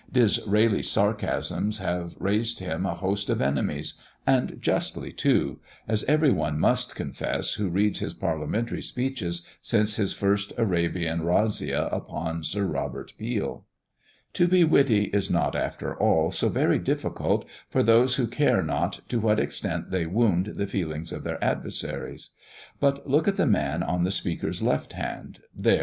Disraeli's sarcasms have raised him a host of enemies, and justly too, as every one must confess, who reads his Parliamentary speeches since his first Arabian razzia upon Sir Robert Peel. To be witty is not, after all, so very difficult for those who care not to what extent they wound the feelings of their adversaries. But look at the man on the Speaker's left hand there!